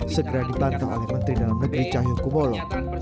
segera dibantah oleh menteri dalam negeri cahaya kumolo